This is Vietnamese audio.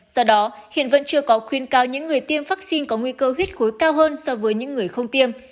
do đó hiện vẫn chưa có khuyên cao những người tiêm vaccine có nguy cơ huyết khối cao hơn so với những người không tiêm